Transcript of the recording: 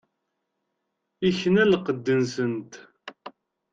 Ikna lqedd-nsent.